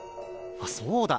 あっそうだ。